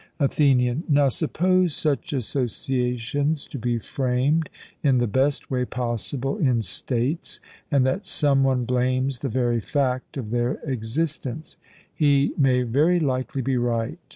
ATHENIAN: Now suppose such associations to be framed in the best way possible in states, and that some one blames the very fact of their existence he may very likely be right.